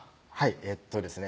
えっとですね